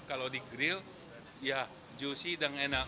kalau di grill ya juicy dan enak